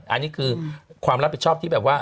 อันนี้คือความรับผิดชอบที่แบบว่า